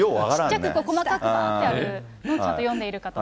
ちっちゃく、細かくあるのをちゃんと読んでいるかと。